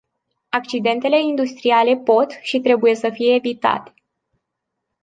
Accidentele industriale pot și trebuie să fie evitate.